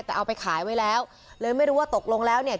แต่เอาไปขายไว้แล้วเลยไม่รู้ว่าตกลงแล้วเนี่ย